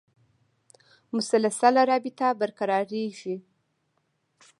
مسلسله رابطه برقرارېږي.